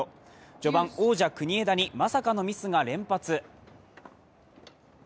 序盤、王者・国枝にまさかのミスが連発。